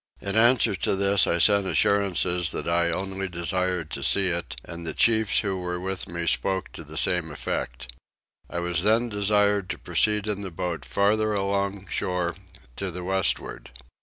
In answer to this I sent assurances that I only desired to see it, and the chiefs who were with me spoke to the same effect. I was then desired to proceed in the boat farther along shore to the westward.